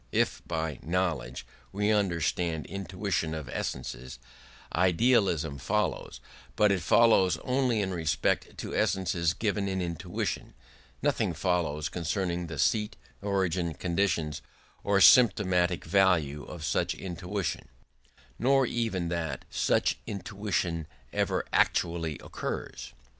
If by "knowledge" we understand intuition of essences, idealism follows; but it follows only in respect to essences given in intuition: nothing follows concerning the seat, origin, conditions, or symptomatic value of such intuition, nor even that such intuition ever actually occurs.